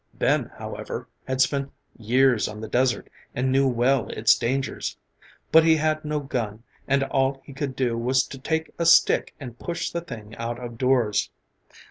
Ben, however, had spent years on the desert and knew well its dangers. But he had no gun and all he could do was to take a stick and push the thing out of doors.